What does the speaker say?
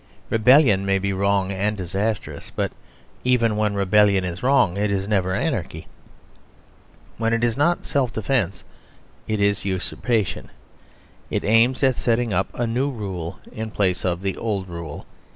Rebellion may be wrong and disastrous; but even when rebellion is wrong, it is never anarchy. When it is not self defence, it is usurpation. It aims at setting up a new rule in place of the old rule.